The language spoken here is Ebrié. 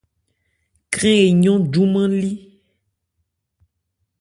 Krɛn eyɔ́n júmán-lí.